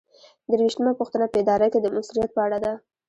درویشتمه پوښتنه په اداره کې د مؤثریت په اړه ده.